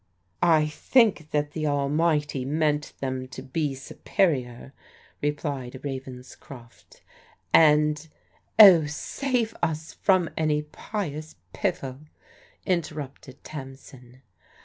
" "I think that the Almighty meant them to be supe rior," replied Ravenscrof t, " and "" Oh, save us from any pious piffle," interrupted Tam sin.